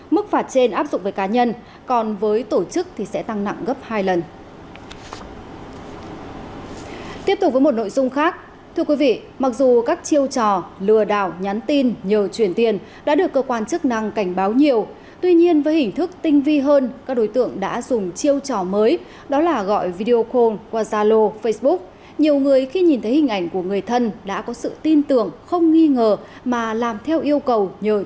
mức phạt trên áp dụng với cá nhân còn với tổ chức sẽ tăng nặng gấp hai lần